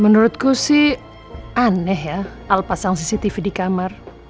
menurutku sih aneh ya alpa sang cctv di kamar